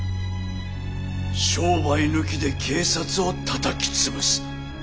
商売抜きで警察をたたき潰す。